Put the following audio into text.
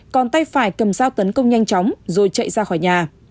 còn tay phải cầm dao tấn công nhanh chóng rồi chạy ra khỏi nhà